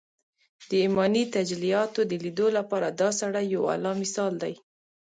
د ايماني تجلياتو د ليدو لپاره دا سړی يو اعلی مثال دی